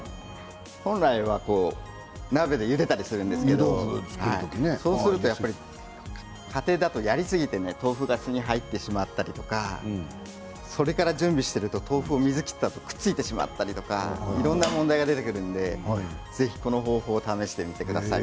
本来は鍋でゆでたりするんですけど、そうすると家庭だとやりすぎて豆腐にすが入ってしまったりそれから準備をしていると豆腐がくっついてしまったりいろんな問題が出てくるのでぜひ、この方法で楽しんでください。